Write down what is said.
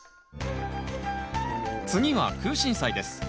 次はクウシンサイです。